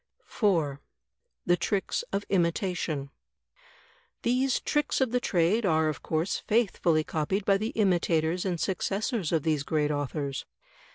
4, The Tricks of Imitation These tricks of the trade are of course faithfully copied by the imitators and successors of these great authors.